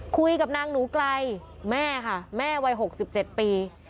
คุยกับนางหนูไกลแม่ค่ะแม่วัย๖๗ปี